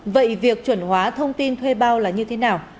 vậy việc chuẩn hóa thông tin thuê bao là như thế nào